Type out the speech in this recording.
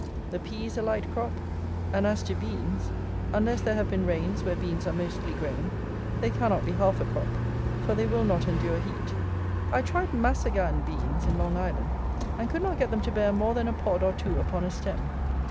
The peas a light crop; and as to beans, unless there have been rains where beans are mostly grown, they cannot be half a crop; for they will not endure heat. I tried masagan beans in Long Island, and could not get them to bear more than a pod or two upon a stem.